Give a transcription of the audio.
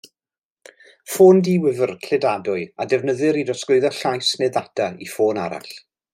Ffôn diwifr, cludadwy a ddefnyddir i drosglwyddo llais neu ddata i ffôn arall.